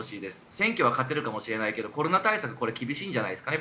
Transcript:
選挙は勝てるかもしれないけどコロナ対策は厳しいんじゃないですかね。